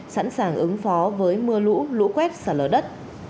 sẵn sàng ứng phó với mưa lũ lũ quét xả lở đất